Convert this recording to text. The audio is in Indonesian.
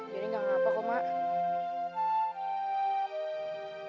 gak apa apa kok mak